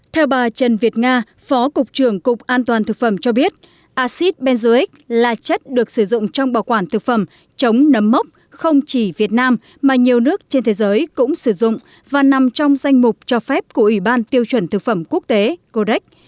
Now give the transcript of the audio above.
theo bà trần việt nga phó cục trưởng cục an toàn thực phẩm cho biết acid benzoic là chất được sử dụng trong bảo quản thực phẩm chống nấm mốc không chỉ việt nam mà nhiều nước trên thế giới cũng sử dụng và nằm trong danh mục cho phép của ủy ban tiêu chuẩn thực phẩm quốc tế codec